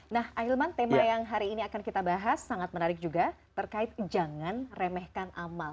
nah ahilman tema yang hari ini akan kita bahas sangat menarik juga terkait jangan remehkan amal